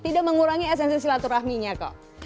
tidak mengurangi esensi silaturahminya kok